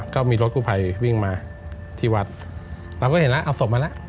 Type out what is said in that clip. ก็มีรถกู้ภัยวิ่งมาที่วัดเราก็เห็นแล้วเอาศพมาแล้ว